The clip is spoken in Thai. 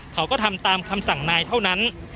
เขาก็ทำตามคำสั่งนายเท่านั้น